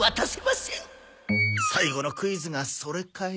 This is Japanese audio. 最後のクイズがそれかよ。